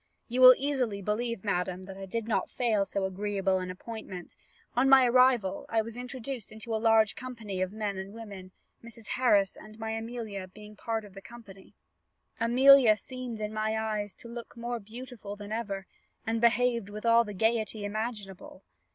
"You will easily believe, madam, that I did not fail so agreeable an appointment: on my arrival I was introduced into a large company of men and women, Mrs. Harris and my Amelia being part of the company. "Amelia seemed in my eyes to look more beautiful than ever, and behaved with all the gaiety imaginable.